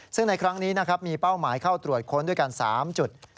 ซึ่งในครั้งนี้นะครับมีเป้าหมายเข้าตรวจค้นด้วยกัน๓จุด